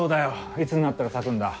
いつになったら咲くんだ？